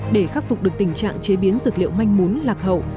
để khắc phục được tình trạng chế biến dược liệu manh mún lạc hậu